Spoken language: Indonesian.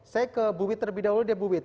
saya ke bu wit terlebih dahulu deh bu wit